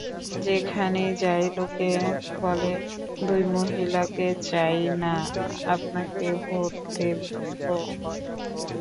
যেখানে যাই লোকে বলে, দুই মহিলাকে চাই না, আপনাকে ভোট দেব।